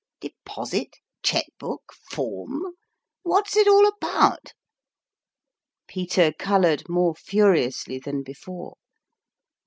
De posit ? check book ? form ? What is it all about ?" Peter colored more furiously than before.